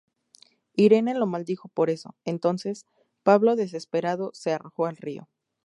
Irene lo maldijo por eso; entonces, Pablo, desesperado, se arrojó al río.